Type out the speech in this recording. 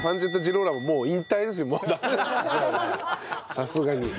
さすがに。